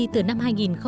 từ năm hai nghìn sáu